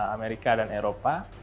amerika dan eropa